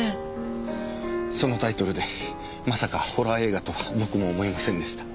そのタイトルでまさかホラー映画とは僕も思いませんでした。